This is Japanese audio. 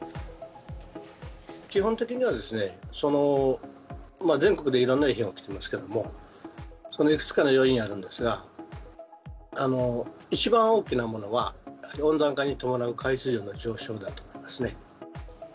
基本的には、全国でいろいろな異変が起きてますけども、そのいくつかの要因あるんですが、一番大きなものは、温暖化に伴う海水温の上昇であると思いますね。